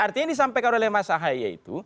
artinya ini sampai ke raleh masahaya itu